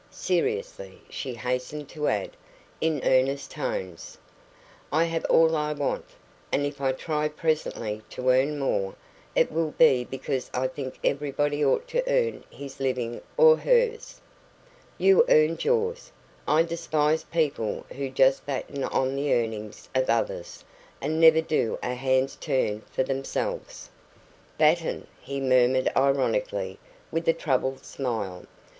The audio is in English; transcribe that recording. Seriously," she hastened to add, in earnest tones, "I have all I want. And if I try presently to earn more, it will be because I think everybody ought to earn his living or hers. You earned yours. I despise people who just batten on the earnings of others, and never do a hand's turn for themselves." "Batten!" he murmured ironically, with a troubled smile.